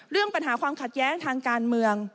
เรื่องปัญหาความขัดแย้งทางการเมือง